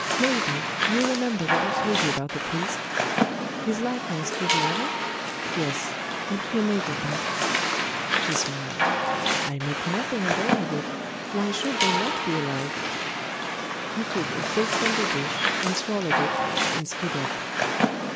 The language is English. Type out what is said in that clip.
Mabel, do you remember what I told you about the priest?" "His likeness to the other?" "Yes. What do you make of that?" She smiled. "I make nothing at all of it. Why should they not be alike?" He took a fig from the dish, and swallowed it, and stood up.